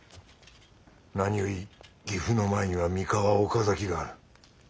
何より岐阜の前には三河・岡崎がある。